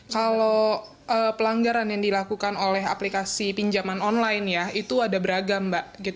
kalau pelanggaran yang dilakukan oleh aplikasi pinjaman online ya itu ada beragam mbak